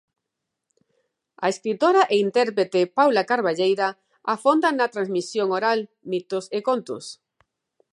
A escritora e intérprete Paula Carballeira afonda na transmisión oral, mitos e contos.